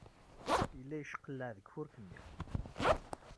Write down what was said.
Yella yeckelleɛ deg ufurk-nni.